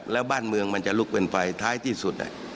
แล้วบ้านเมืองมันจะลุกเป็นไฟท้ายที่สุด